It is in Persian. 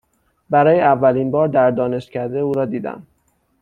برای اولین بار در دانشکده او را دیدم.